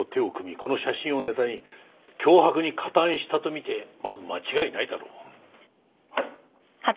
この写真をネタに脅迫に加担したと見てまず間違いないだろう。